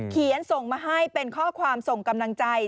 ส่งมาให้เป็นข้อความส่งกำลังใจ